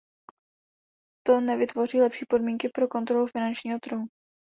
To nevytvoří lepší podmínky pro kontrolu finančního trhu.